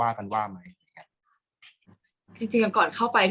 กากตัวทำอะไรบ้างอยู่ตรงนี้คนเดียว